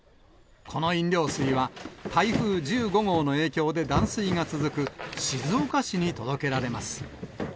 この飲料水は、台風１５号の影響で断水が続く静岡市に届けられます。